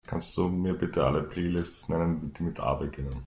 Kannst Du mir bitte alle Playlists nennen, die mit A beginnen?